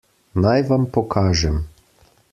Naj vam pokažem.